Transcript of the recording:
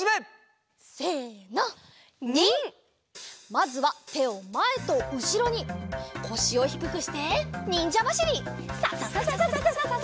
まずはてをまえとうしろにこしをひくくしてにんじゃばしり。ササササササ。